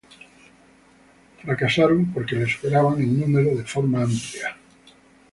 Fracasaron porque les superaban en número de forma amplia.